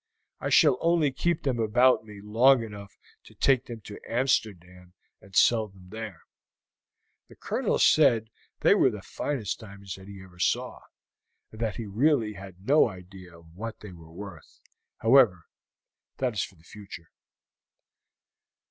I shall only keep them about me long enough to take them to Amsterdam and sell them there. The Colonel said they were the finest diamonds that he ever saw, and that he really had no idea of what they were worth. However, that is for the future."